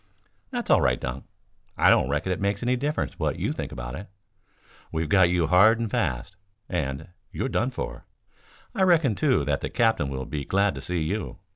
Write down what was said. "That's all right, Dunk. I don't reckon it makes any difference what you think about it. We've got you hard and fast, and you're done for. I reckon, too, that the captain will be glad to see you.